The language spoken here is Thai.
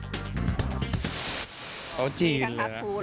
โต๊ะจีนเหรอยังไงอย่างไรเนี่ยพี่พี่มีกันครับพูด